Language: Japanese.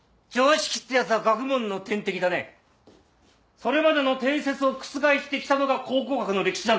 それまでの定説を覆してきたのが考古学の歴史なんだ。